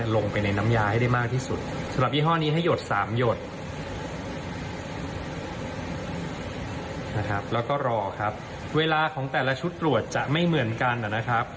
แล้วก็รอครับเวลาของแต่ละชุดตรวจจะไม่เหมือนกันนะครับ